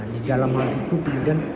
di dalam hal itu kemudian